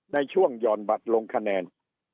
ในช่วงหย่อนบัตรลงคะแนน